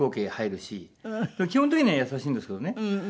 基本的には優しいんですけどね。